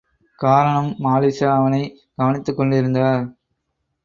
காரணம் மாலிக்ஷா அவனைக் கவனித்துக் கொண்டிருந்தார்.